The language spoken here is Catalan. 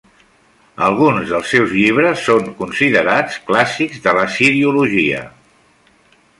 Alguns dels seus llibres són considerats clàssics de l'Assiriologia.